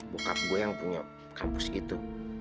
bukap gue yang punya kampus itu